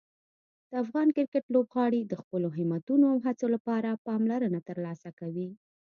د افغان کرکټ لوبغاړي د خپلو همتونو او هڅو لپاره پاملرنه ترلاسه کوي.